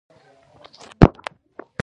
غوږونه د دعا غږ ته حساس وي